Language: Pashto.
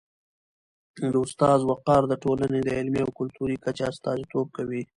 د استاد وقار د ټولني د علمي او کلتوري کچي استازیتوب کوي.